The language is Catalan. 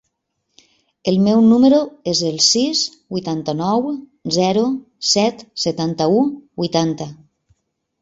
El meu número es el sis, vuitanta-nou, zero, set, setanta-u, vuitanta.